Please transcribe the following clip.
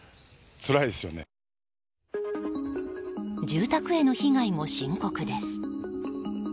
住宅への被害も深刻です。